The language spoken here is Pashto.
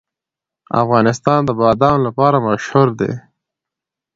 افغانستان د بادام لپاره مشهور دی.